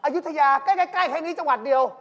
อายุทยาใกล้แค่นี้จังหวัดเดียว